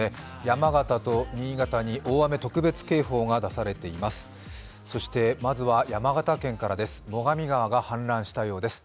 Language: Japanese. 山形と新潟に大雨特別警報が出されています。